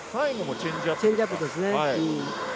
チェンジアップですね。